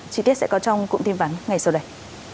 chi tiết sẽ có trong cụm tin vắng ngay sau đây